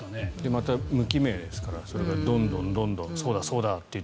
また無記名ですからそれがどんどんそうだと言って。